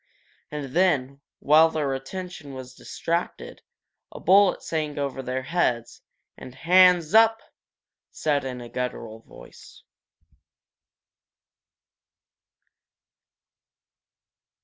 And then, while their attention was distracted, a bullet sang over their heads. And "Hands oop!" said in a guttural voice.